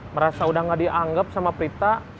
merasa udah gak dianggap sama prita